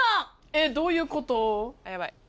えっどういうこと？